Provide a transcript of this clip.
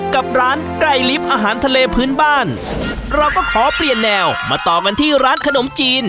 กับร้านไก่ลิฟต์อาหารทะเลพื้นบ้านเราก็ขอเปลี่ยนแนวมาต่อกันที่ร้านขนมจีน